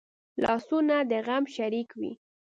لاسونه د غم شریک وي